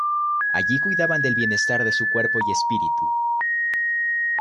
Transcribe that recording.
Allí cuidaban del bienestar de su cuerpo y espíritu.